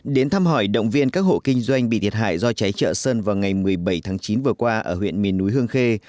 đến thăm hỏi động viên các hộ kinh doanh bị thiệt hại do cháy chợ sơn vào ngày một mươi bảy tháng chín vừa qua ở huyện miền núi hương khê